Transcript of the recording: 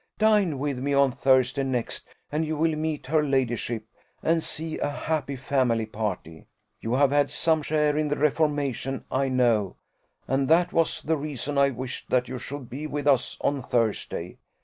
Dine with me on Thursday next, and you will meet her ladyship, and see a happy family party. You have had some share in the reformation, I know, and that was the reason I wished that you should be with us on Thursday.